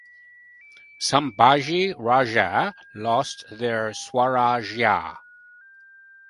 Sambhaji Raje lost their Swarajya.